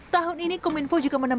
bagaimana menurut anda